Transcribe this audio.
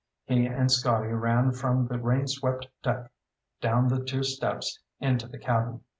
He and Scotty ran from the rainswept deck down the two steps into the cabin.